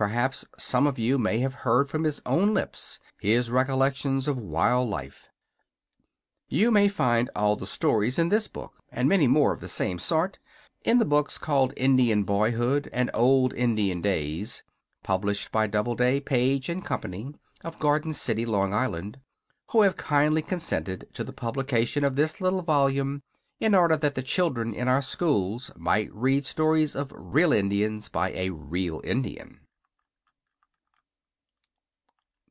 Perhaps some of you have heard from his own lips his recollections of wild life. You may find all the stories in this book, and many more of the same sort, in the books called "Indian Boyhood," and "Old Indian Days," published by Doubleday, Page and Company, of Garden City, L.I., who have kindly consented to the publication of this little volume in order that the children in our schools might read stories of real Indians by a real Indian.